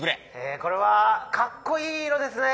えこれは「かっこいいいろ」ですね。